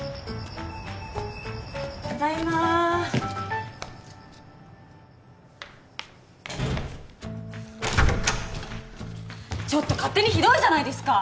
ただいまちょっと勝手にひどいじゃないですか！